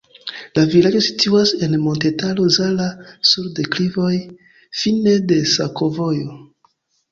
La vilaĝo situas en Montetaro Zala sur deklivoj, fine de sakovojo.